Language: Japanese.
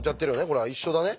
これは。一緒だね。